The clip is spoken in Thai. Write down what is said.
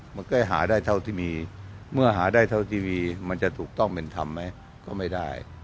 มันก็ให้หาได้เท่าที่มีเมื่อหาได้เท่าทีวีมันจะถูกต้องเป็นธรรมไหมก็ไม่ได้